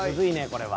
これは。